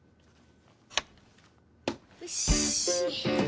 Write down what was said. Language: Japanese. よし。